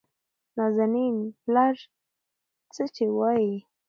نازنين : پلاره څه چې وايې؟